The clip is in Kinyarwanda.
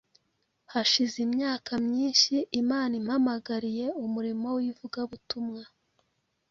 Hashize imyaka myinshi Imana impamagariye umurimo w’ivugabutumwa